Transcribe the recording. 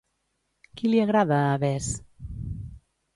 Qui li agrada a Bess?